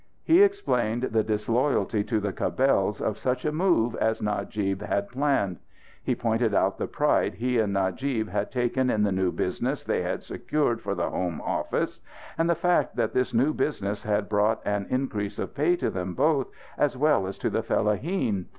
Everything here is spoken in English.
He explained the disloyalty to the Cabells of such a move as Najib had planned. He pointed out the pride he and Najib had taken in the new business they had secured for the home office; and the fact that this new business had brought an increase of pay to them both as well as to the fellaheen.